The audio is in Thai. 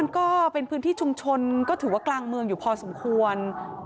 นี่คาโดย